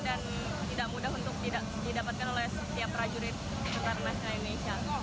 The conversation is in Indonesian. dan tidak mudah untuk didapatkan oleh setiap trajurit sejarah indonesia